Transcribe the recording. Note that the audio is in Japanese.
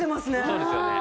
そうですよね。